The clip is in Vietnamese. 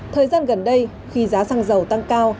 thời gian gần đây khi giá xăng dầu tăng cao